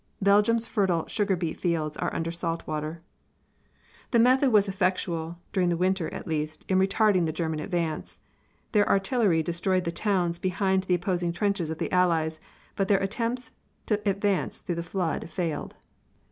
Belgium's fertile sugar beet fields are under salt water. The method was effectual, during the winter, at least, in retarding the German advance. Their artillery destroyed the towns behind the opposing trenches of the Allies, but their attempts to advance through the flood failed.